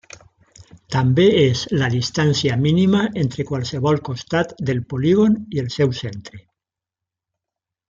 També és la distància mínima entre qualsevol costat del polígon i el seu centre.